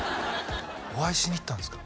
お会いしに行ったんですか？